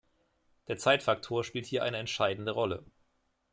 Der Zeitfaktor spielt hier eine entscheidende Rolle.